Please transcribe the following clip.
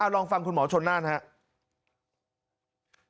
ลองฟังคุณหมอชนน่านครับ